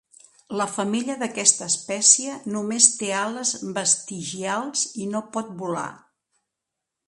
La femella d'aquesta espècie només té ales vestigials i no pot volar.